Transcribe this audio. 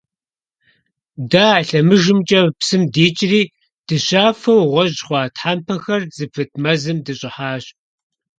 Дэ а лъэмыжымкӏэ псым дикӏри дыщафэу гъуэжь хъуа тхьэмпэхэр зыпыт мэзым дыщӏыхьащ.